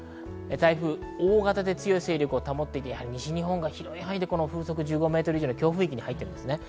大型で強い勢力を保っていて西日本が広い範囲で風速１５メートル以上の強風域に入っています。